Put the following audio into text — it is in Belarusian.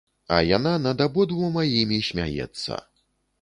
А яна над абодвума імі смяецца.